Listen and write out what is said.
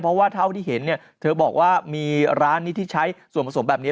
เพราะว่าเท่าที่เห็นเนี่ยเธอบอกว่ามีร้านนี้ที่ใช้ส่วนผสมแบบนี้